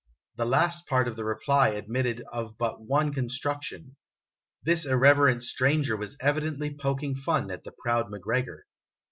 The last part of 'the reply admitted of but one construc tion. This irreverant stranger was evidently poking fun at the proud McGregor.